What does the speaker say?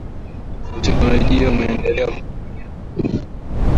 Teknolojia inaendelea mu dunia